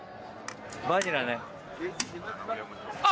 バニラね。